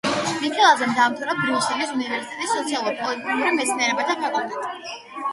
მიქელაძემ დაამთავრა ბრიუსელის უნივერსიტეტის სოციალურ-პოლიტიკურ მეცნიერებათა ფაკულტეტი.